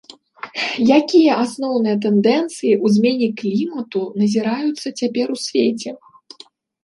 Якія асноўныя тэндэнцыі ў змене клімату назіраюцца цяпер у свеце?